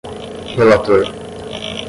relator